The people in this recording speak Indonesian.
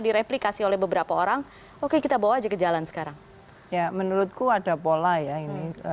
direplikasi oleh beberapa orang oke kita bawa aja ke jalan sekarang ya menurutku ada pola ya ini